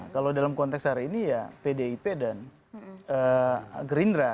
kalau dalam konteks hari ini ya pdip dan gerindra